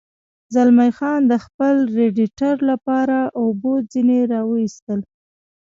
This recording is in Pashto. زلمی خان د خپل رېډیټر لپاره اوبه ځنې را ویستل.